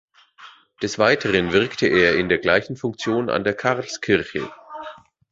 Des Weiteren wirkte er in der gleichen Funktion an der Karlskirche.